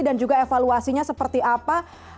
juga evaluasinya seperti apa